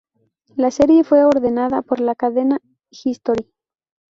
La serie fue ordenada por la cadena History.